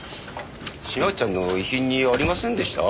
島内ちゃんの遺品にありませんでした？